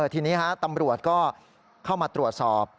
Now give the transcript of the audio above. ทีนี้ตำรวจก็เข้ามาตรวจสอบ